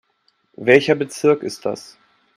Welcher Bezirk ist das?